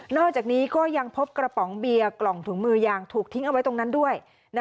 อกจากนี้ก็ยังพบกระป๋องเบียร์กล่องถุงมือยางถูกทิ้งเอาไว้ตรงนั้นด้วย